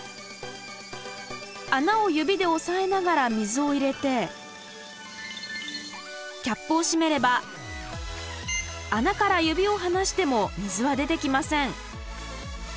穴を指で押さえながら水を入れてキャップを閉めれば穴から指を離しても水は出てきません。